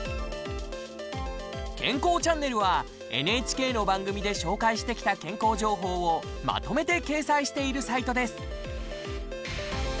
健康チャンネルはＮＨＫの番組で紹介してきた健康情報を、まとめて掲載しているサイトです。